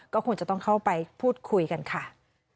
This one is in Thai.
ก็ควรจะต้องเข้าไปพูดคุยกันค่ะ